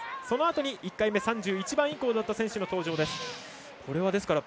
そのあとに１回目３１番以降だった選手が登場です。